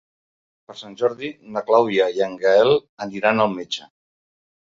Per Sant Jordi na Clàudia i en Gaël aniran al metge.